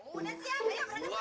udah siap ayo berangkat